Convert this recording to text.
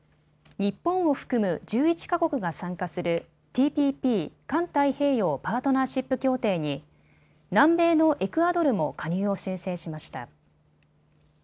日本を含む１１か国が参加するＴＰＰ・環太平洋パートナーシップ協定に南米のエクアドルも加入を申請しました。